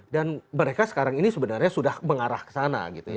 dan mereka sekarang ini sebenarnya sudah mengarah ke sana